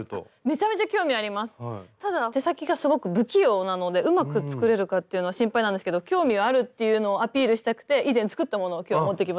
ただ手先がすごく不器用なのでうまく作れるかっていうのは心配なんですけど興味はあるっていうのをアピールしたくて以前作ったものを今日持ってきました。